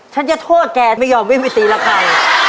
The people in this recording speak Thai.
ฉันจะทวชแกไม่ยอมวิอมวิธีละกัน